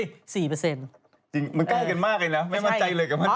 มันกล้าเกินมากเลยนะไม่มั่นใจเลยกับมั่นใจมาก